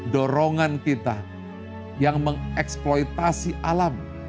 dorongan kita yang mengeksploitasi alam